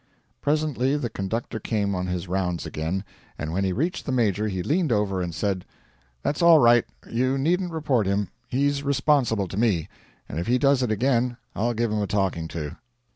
Presently the conductor came on his rounds again, and when he reached the Major he leaned over and said: 'That's all right. You needn't report him. He's responsible to me, and if he does it again I'll give him a talking to.'